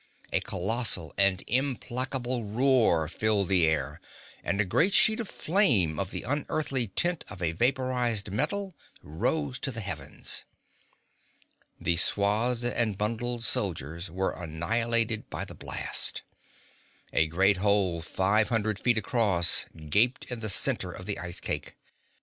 A colossal and implacable roar filled the air, and a great sheet of flame of the unearthly tint of a vaporized metal rose to the heavens. The swathed and bundled soldiers were annihilated by the blast. A great hole five hundred feet across gaped in the center of the ice cake.